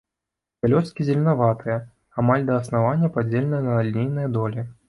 Пялёсткі зеленаватыя, амаль да аснавання падзеленыя на лінейныя долі.